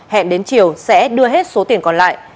hẹn đến chiều sẽ đưa hết số tiền còn lại